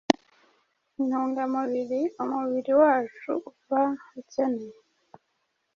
intungamubiri, umubiri wacu uba ukeneye.